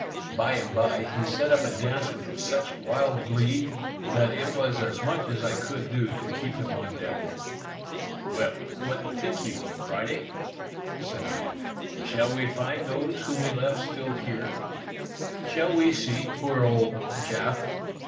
Bye and bye, he set up a dance with such wild glee, that it was as much as I could do to keep him on deck. "Well, what think you, Friday?" said I; "shall we find those whom we left still here? Shall we see poor old Jaf?"